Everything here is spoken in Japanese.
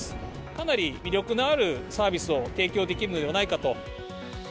かなり魅力のあるサービスを提供できるのではないかと。